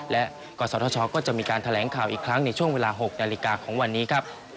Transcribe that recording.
และกศธชก็จะมีการแถลงข่าวอีกครั้งในช่วงเวลา๖นาฬิกาของวันนี้ครับ